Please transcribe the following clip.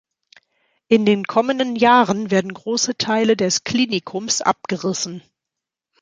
In den kommenden Jahren werden große Teile des Klinikums abgerissen.